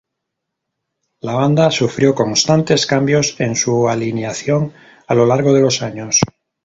La banda sufrió constantes cambios en su alineación a lo largo de los años.